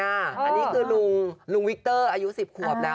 อันนี้คือลุงลุงวิกเตอร์อายุ๑๐ขวบแล้ว